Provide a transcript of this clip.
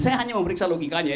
saya hanya memeriksa logikanya